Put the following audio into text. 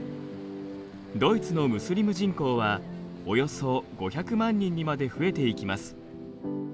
ドイツのムスリム人口はおよそ５００万人にまで増えていきます。